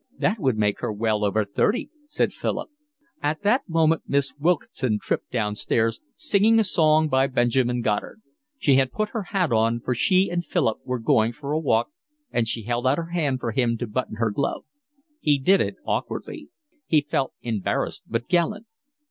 "That would make her well over thirty," said Philip. At that moment Miss Wilkinson tripped downstairs, singing a song by Benjamin Goddard. She had put her hat on, for she and Philip were going for a walk, and she held out her hand for him to button her glove. He did it awkwardly. He felt embarrassed but gallant.